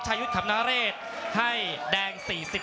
รอคะแนนจากอาจารย์สมาร์ทจันทร์คล้อยสักครู่หนึ่งนะครับ